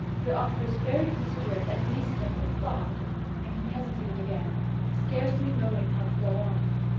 Your offer is very considerate and reasonable, but " and he hesitated again, scarcely knowing how to go on.